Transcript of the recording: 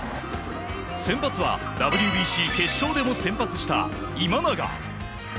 先発はＷＢＣ決勝でも先発した今永。